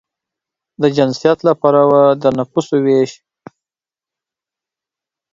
د جنسیت له پلوه د نفوسو وېش